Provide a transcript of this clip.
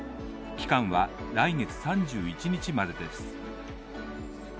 期間は来月３１日までです。